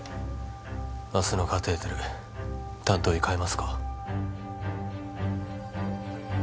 明日のカテーテル担当医かえますか？